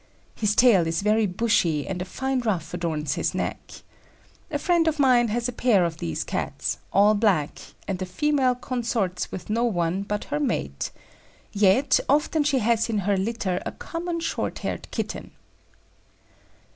His tail is very bushy and a fine ruff adorns his neck. A friend of mine has a pair of these Cats, all black, and the female consorts with no one but her mate. Yet often she has in her litter a common short haired kitten."